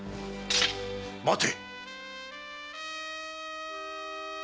待て！